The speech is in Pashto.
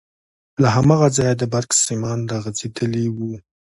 له هماغه ځايه د برق سيمان راغځېدلي وو.